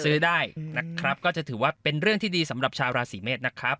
ซื้อได้นะครับก็จะถือว่าเป็นเรื่องที่ดีสำหรับชาวราศีเมษนะครับ